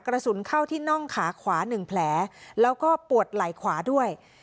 กระสุนเข้าที่น่องขาขวา๑แผลแล้วก็ปวดไหล่ขวาด้วย